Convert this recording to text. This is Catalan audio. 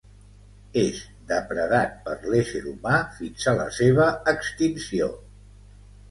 És depredat per l'ésser humà fins a la seva extinció.